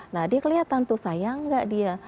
nah dia kelihatan tuh sayang nggak dia